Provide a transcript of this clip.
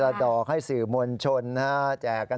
นายยกรัฐมนตรีพบกับทัพนักกีฬาที่กลับมาจากโอลิมปิก๒๐๑๖